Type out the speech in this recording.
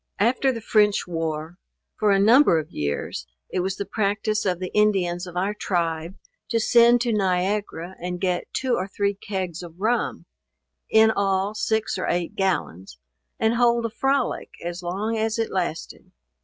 After the French war, for a number of years, it was the practice of the Indians of our tribe to send to Niagara and get two or three kegs of rum, (in all six or eight gallons,) and hold a frolic as long as it lasted.